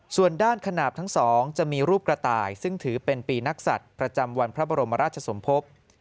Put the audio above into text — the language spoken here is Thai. ส่วนด้านขนาดทั้งสองจะมีรูปกระต่ายซึ่งถือเป็นปีนักศัตริย์ประจำวันพระบรมราชสมภพ